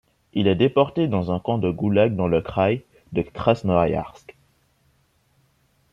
Il est déporté dans un camps de Goulag dans le Kraï de Krasnoïarsk.